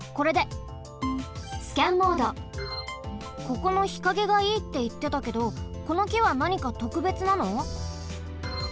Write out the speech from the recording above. ここの日陰がいいっていってたけどこのきはなにかとくべつなの？